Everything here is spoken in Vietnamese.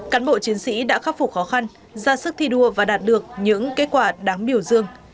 cán bộ chiến sĩ đã khắc phục khó khăn ra sức thi đua và đạt được những kết quả đáng biểu dương